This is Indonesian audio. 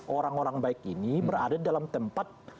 orang orang baik ini berada dalam tempat